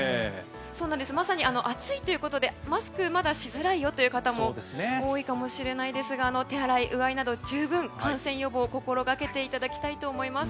まさに暑いということでマスクをしづらいという方も多いかもしれないですが手洗い・うがいなど十分感染予防を心がけていただきたいと思います。